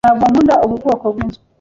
Ntabwo nkunda ubu bwoko bwinzu.